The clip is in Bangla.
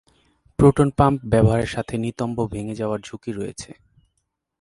প্রোটন পাম্প ব্যবহারের সাথে নিতম্ব ভেঙে যাবার ঝুঁকি রয়েছে।